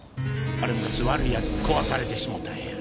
あれ昔悪い奴に壊されてしもたんや。